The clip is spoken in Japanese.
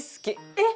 えっ！